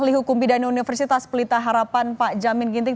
ahli hukum pidana universitas pelita harapan pak jamin ginting